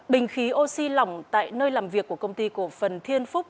bình khí oxy lỏng tại nơi làm việc của công ty cổ phần thiên phúc